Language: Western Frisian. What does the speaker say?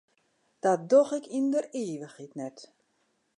Dat doch ik yn der ivichheid net.